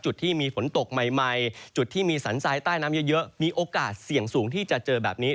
จุดที่มีฝนตกใหม่จุดที่มีสันทรายใต้น้ำเยอะมีโอกาสเสี่ยงสูงที่จะเจอแบบนี้